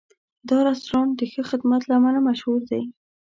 دا رستورانت د ښه خدمت له امله مشهور دی.